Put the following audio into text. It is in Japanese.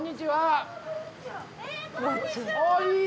はい。